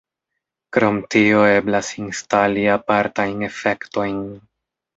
Krom tio eblas instali apartajn efektojn.